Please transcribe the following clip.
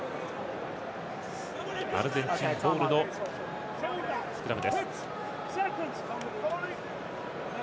アルゼンチンボールのスクラム。